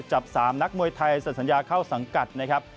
จับ๓นักมวยไทยเสร็จสัญญาเข้าสังกัดนะครับ